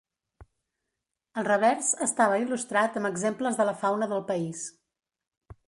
El revers estava il·lustrat amb exemples de la fauna del país.